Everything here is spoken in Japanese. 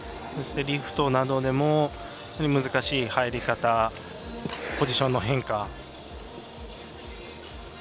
そして、リフトなどでも難しい入り方、ポジションの変化。